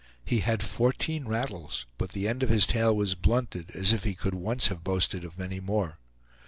He had fourteen rattles, but the end of his tail was blunted, as if he could once have boasted of many more.